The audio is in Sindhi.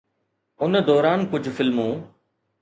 ان دوران ڪجهه فلمون